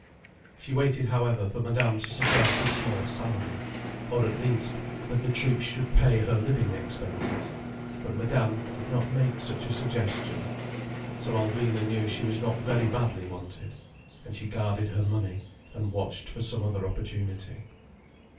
She waited, however, for Madame to suggest a small salary—or at least, that the troupe should pay her living expenses. But Madame did not make such a suggestion. So Alvina knew that she was not very badly wanted. And she guarded her money, and watched for some other opportunity.